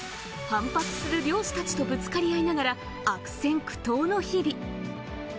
反発する漁師たちとぶつかり合いながら悪戦苦闘の日々。